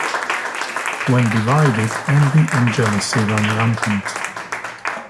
When divided, envy and jealousy ran rampant.